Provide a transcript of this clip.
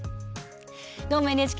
「どーも、ＮＨＫ」